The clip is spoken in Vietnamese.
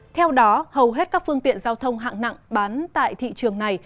theo đó hầu hết các phương tiện giao thông hạng nặng bán tại thị trường này